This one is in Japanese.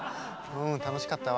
うん楽しかったわ。